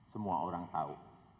semua orang tahu